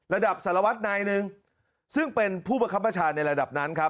ระดับสารวัตรนายหนึ่งซึ่งเป็นผู้ประคับประชาในระดับนั้นครับ